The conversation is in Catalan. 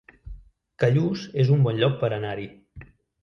Callús es un bon lloc per anar-hi